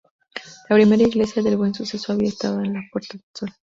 La primera iglesia del Buen Suceso había estado en la Puerta del Sol.